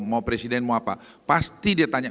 mau presiden mau apa pasti dia tanya